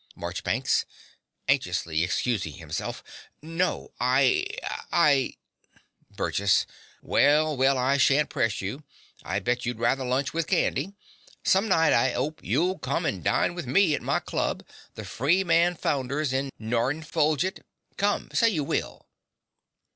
MARCHBANKS (anxiously excusing himself). No I I BURGESS. Well, well, I shan't press you: I bet you'd rather lunch with Candy. Some night, I 'ope, you'll come and dine with me at my club, the Freeman Founders in Nortn Folgit. Come, say you will.